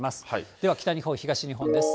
では北日本、東日本です。